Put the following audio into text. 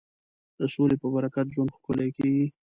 د سولې په برکت ژوند ښکلی کېږي.